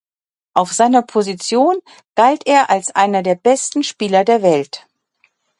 Auf seiner Position galt er als einer der besten Spieler der Welt.